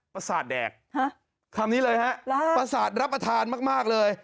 ประสาทแดกคำนี้เลยฮะประสาทรับประทานมากเลย